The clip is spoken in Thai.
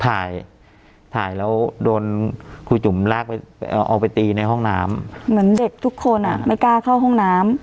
ถ่ายถ่ายแล้วโดนครูจุ๋มลากไปเอาไปตีในห้องน้ำเหมือนเด็กทุกคนอ่ะไม่กล้าเข้าห้องน้ำ